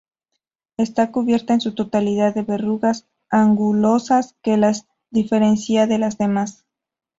Está recubierta en su totalidad de verrugas angulosas que las diferencia de las demás.